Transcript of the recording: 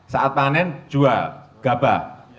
saat panen jual gabah